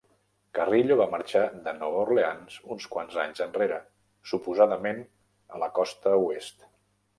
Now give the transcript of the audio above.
Carrillo va marxar de Nova Orleans uns quants anys enrere, suposadament a la Costa Oest.